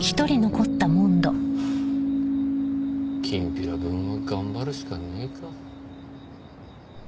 きんぴら分は頑張るしかねえか。